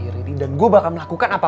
riri udah pulang ma